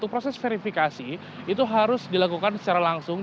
proses verifikasi itu harus dilakukan secara langsung